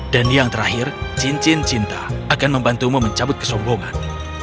dan yang terakhir cincin cinta akan membantumu mencabut kesombongan